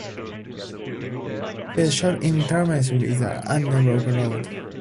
There is a short intersection with an unnamed local road.